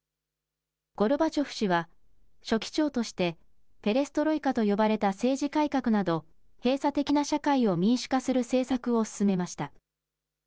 ゴルバチョフ氏は書記長としてペレストロイカと呼ばれた政治改革など閉鎖的な社会を民主化する政策を進めました。